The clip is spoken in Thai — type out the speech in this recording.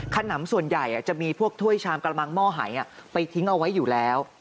ขนำส่วนใหญ่จะมีพวกถ้วยชามกระมังหม้อหายไปทิ้งเอาไว้อยู่แล้ว